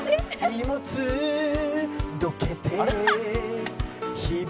「荷物どけて日々」